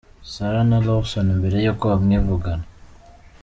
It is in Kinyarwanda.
Sarah na Lawson mbere y’uko bamwivugana.